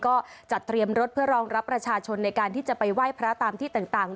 ก็จัดเตรียมรถเพื่อรองรับประชาชนในการที่จะไปไหว้พระตามที่ต่าง